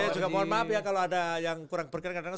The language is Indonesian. saya juga mohon maaf ya kalau ada yang kurang bergerak kadang kadang